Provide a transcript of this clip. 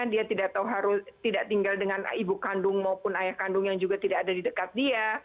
dia tidak tahu harus tidak tinggal dengan ibu kandung maupun ayah kandung yang juga tidak ada di dekat dia